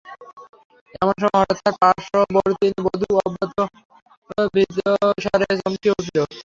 এমন সময় হঠাৎ তাঁহার পার্শ্ববর্তিনী বধূ অব্যক্ত ভীত স্বরে চমকিয়া উঠিল।